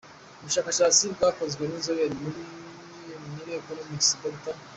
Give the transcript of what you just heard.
Ubushakashatsi bwakozwe n’inzobere muri Neuroeconomics, Dr.